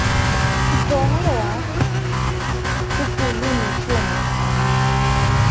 Kukohoa huku ulimi ukiwa umetoka nje